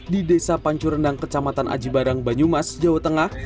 di desa pancu rendang kecamatan aji barang banyumas jawa tengah